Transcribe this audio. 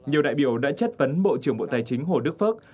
nhiều đại biểu đã chất vấn bộ trưởng bộ tài chính hồ đức phước